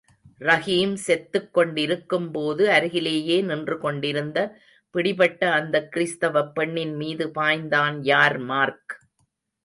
ரஹீம் செத்துக் கொண்டிருக்கும் போது அருகிலேயே நின்று கொண்டிருந்த, பிடிபட்ட அந்தக் கிறிஸ்தவப் பெண்ணின் மீது பாய்ந்தான் யார்மார்க்.